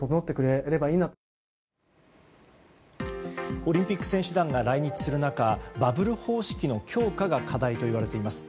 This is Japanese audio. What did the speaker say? オリンピック選手団が来日する中バブル方式の強化が課題と言われています。